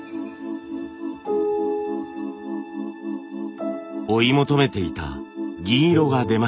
追い求めていた銀色が出ました。